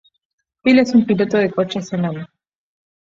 Bill es un piloto de coches enano.